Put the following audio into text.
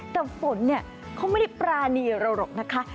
แต่ฝนเนี่ยเขาไม่ได้ปรานีเราหรอกนะคะ